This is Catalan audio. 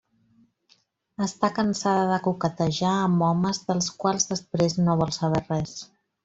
Està cansada de coquetejar amb homes dels quals després no vol saber res.